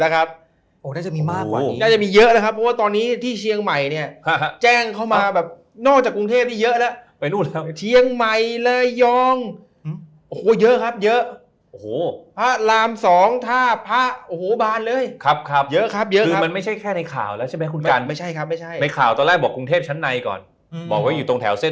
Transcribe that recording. น่าจะมีมากกว่านี้น่าจะมีเยอะนะครับเพราะว่าตอนนี้ที่เชียงใหม่เนี่ยแจ้งเข้ามาแบบนอกจากกรุงเทพนี่เยอะแล้วไปนู่นแล้วเชียงใหม่เลยยองโอ้โหเยอะครับเยอะโอ้โหพระรามสองท่าพระโอ้โหบานเลยขับขับเยอะครับเยอะคือมันไม่ใช่แค่ในข่าวแล้วใช่ไหมคุณกันไม่ใช่ครับไม่ใช่ในข่าวตอนแรกบอกกรุงเทพชั้นในก่อนบอกว่าอยู่ตรงแถวเส้น